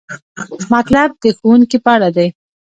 مطلب د ښوونکي په اړه دی.